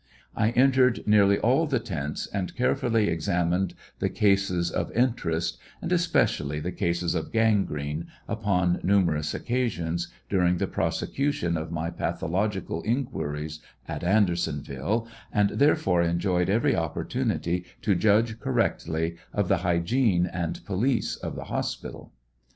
I entered nearly all the tents and carefully examined the cases of interest, and especially the cases of gangrene, upon numerous occasions, during the prosecution of my pathological inquiries at Anderson ville, and therefore enjoyed every opportunity to judge cor rectly of the hygiene and police of the hospital.